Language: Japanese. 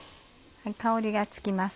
香りがつきます。